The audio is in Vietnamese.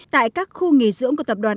tại các khu nghỉ dưỡng của tập đoàn